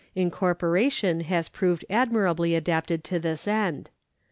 Incorporation has proved admirably adapted to this end.